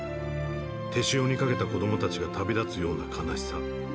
手塩にかけた子供たちが旅立つような悲しさ